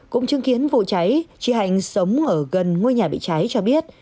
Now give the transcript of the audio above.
cũng chứng kiến vụ cháy chị hạnh sống ở gần ngôi nhà bị cháy cho biết